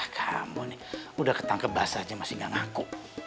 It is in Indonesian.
kamu nih udah ketangkebas aja masih gak ngaku